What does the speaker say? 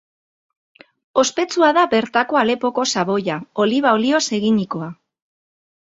Ospetsua da bertako Alepoko xaboia, oliba olioz eginikoa.